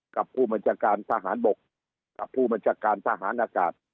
กับผู้บัญชาการทหารบกกับผู้บัญชาการทหารอากาศ